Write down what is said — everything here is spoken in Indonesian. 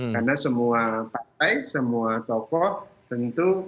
karena semua partai semua toko tentu ketika kita berkumpul kita akan berkumpul